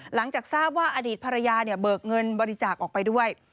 หลังจากทราบว่าอดีตภรรยาเนี่ยเบิกเงินบริจาคออกไปด้วย